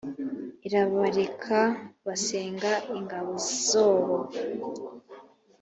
irabareka basenga ingabo zobo.